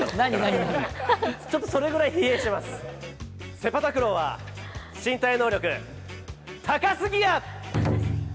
セパタクローは身体能力高スギや！